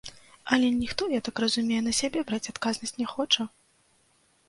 Але ніхто, я так разумею, на сябе браць адказнасць не хоча?